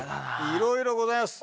いろいろございます。